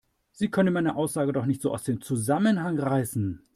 Sie können meine Aussage doch nicht so aus dem Zusammenhang reißen!